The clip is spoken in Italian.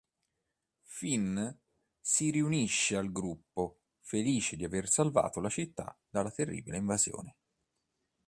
Fin si riunisce al gruppo, felice di aver salvato la città dalla terribile invasione.